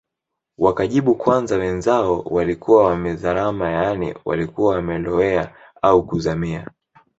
Wakajibu kwamba wenzao walikuwa wamezarama yaani walikuwa wamelowea au kuzamia